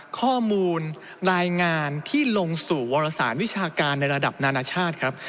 ข้อมูลรายงานที่ลงสู่วรสารวิชาการในระดับนานาชาติครับ